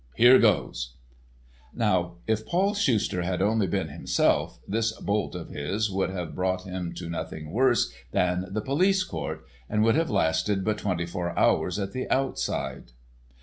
Here goes!" Now, if Paul Schuster had only been himself this bolt of his would have brought him to nothing worse than the Police Court, and would have lasted but twenty four hours at the outside.